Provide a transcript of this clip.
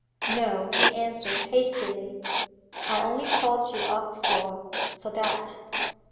'No,' he answered hastily, 'I only called you up for for that.'